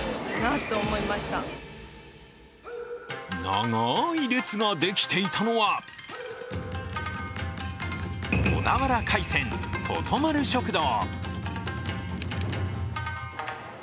長い列ができていたのは、小田原海鮮とと丸食堂。